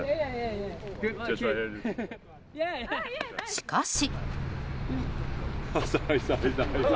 しかし。